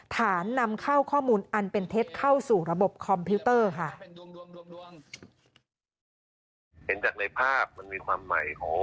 นำเข้าข้อมูลอันเป็นเท็จเข้าสู่ระบบคอมพิวเตอร์ค่ะ